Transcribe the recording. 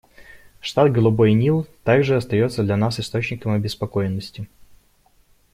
Штат Голубой Нил также остается для нас источником обеспокоенности.